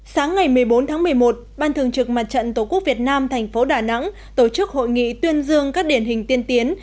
sáng ngày một mươi bốn tháng một mươi một ban thường trực mặt trận tổ quốc việt nam thành phố đà nẵng tổ chức hội nghị tuyên dương các điển hình tiên tiến